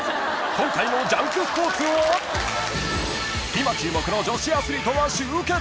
［今回の『ジャンクＳＰＯＲＴＳ』は今注目の女子アスリートが集結］